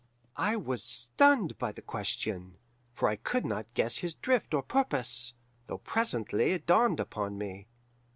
"I was stunned by the question, for I could not guess his drift or purpose, though presently it dawned upon me.